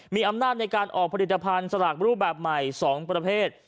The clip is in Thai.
มีอำนาจในการออกผลิตภัณฑ์สลากรูปแบบใหม่๒ประเภท